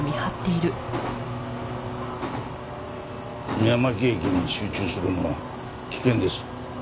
三山木駅に集中するのは危険です。